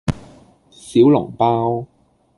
小籠包